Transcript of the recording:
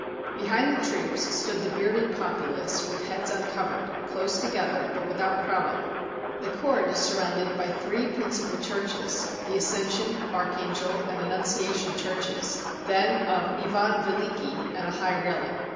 Behind the troops stood the bearded populace, with heads uncovered, close together, but without crowding. The court is surrounded by three principal churches — the Ascension, Archangel, and Annunciation churches ; then of Ivan Veliki and a high railing.